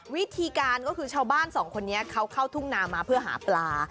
วิธีการก็คือชาวบ้านสองคนนี้เขาเข้าทุ่งนามาเพื่อหาปลา